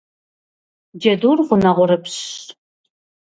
Джэдур гъунэгъурыпщщ.